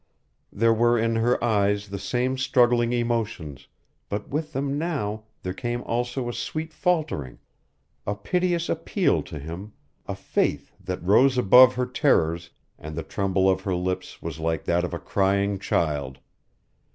There were in her eyes the same struggling emotions, but with them now there came also a sweet faltering, a piteous appeal to him, a faith that rose above her terrors, and the tremble of her lips was like that of a crying child.